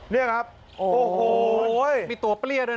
นี่ครับโอ้โหมีตัวเปรี้ยด้วย